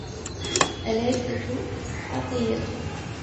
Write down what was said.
الْعِدَةُ عَطِيَّةٌ